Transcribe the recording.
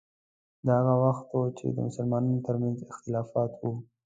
دا هغه وخت و چې د مسلمانانو ترمنځ اختلافات وو.